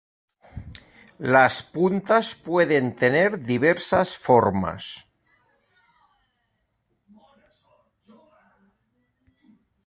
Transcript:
Las puntas pueden tener diversas formas.